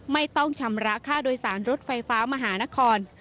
ไม่ต้องชำระค่าโดยสารรถไฟฟ้ามหานคร